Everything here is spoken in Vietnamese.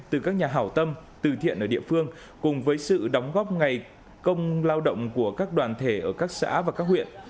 từ các nhà hảo tâm từ thiện ở địa phương cùng với sự đóng góp ngày công lao động của các đoàn thể ở các xã hội